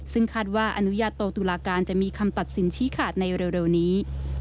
ซึ่งคาดว่าอนุญาโตตุลาการจะมีคำตัดสินชี้ขาดในเร็วนี้